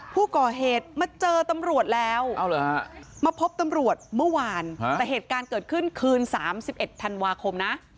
ผู้ก่อเหตุมาเจอตำรวจแล้วมาพบตำรวจเมื่อวานแต่เหตุการณ์เกิดขึ้นคืน๓๑ธันวาคมนะ